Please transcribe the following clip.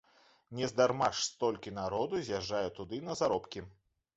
Нездарма ж столькі народу з'язджае туды на заробкі.